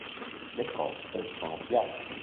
Le coste sono piatte.